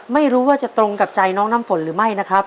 ไม่รู้ว่าจะตรงกับใจน้องน้ำฝนหรือไม่นะครับ